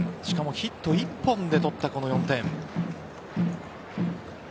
しかもヒット１本で取ったこの４点。